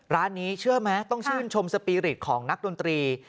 ร้านนี้เชื่อไหมต้องชื่นชมสปีริตของนักดนตรี